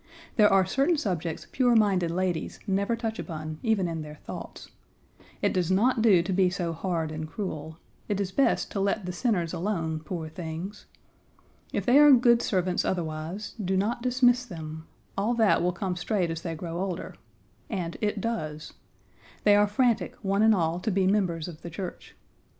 There are certain subjects pure minded ladies never touch upon, even in their thoughts. It does not do to be so hard and cruel. It is best to let the sinners alone, poor things. If they are good servants otherwise, do not dismiss them; all that will come straight as they grow older, and it does! They are frantic, one and all, to be members of the church.